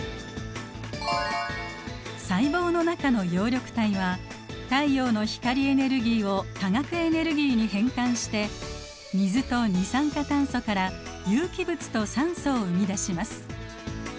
細胞の中の葉緑体は太陽の光エネルギーを化学エネルギーに変換して水と二酸化炭素から有機物と酸素を生み出します。